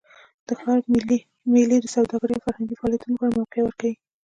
د ښار میلې د سوداګرۍ او فرهنګي فعالیتونو لپاره موقع ورکوي.